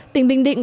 tỉnh bình định